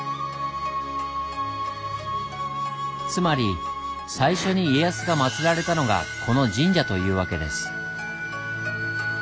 つまり最初に家康がまつられたのがこの神社というわけです。